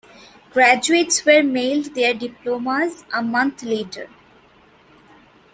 Graduates were mailed their diplomas a month later.